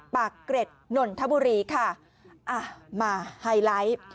ปากเกร็ดนนทบุรีค่ะอ่ะมาไฮไลท์